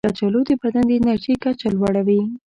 کچالو د بدن د انرژي کچه لوړوي.